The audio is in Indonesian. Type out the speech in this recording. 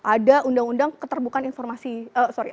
ada undang undang keterbukaan informasi sorry